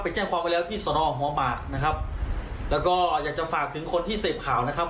แจ้งความไปแล้วที่สนหัวหมากนะครับแล้วก็อยากจะฝากถึงคนที่เสพข่าวนะครับ